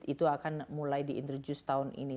itu akan mulai di introduce tahun ini